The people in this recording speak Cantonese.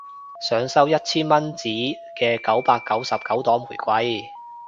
想收一千蚊紙摺嘅九百九十九朵玫瑰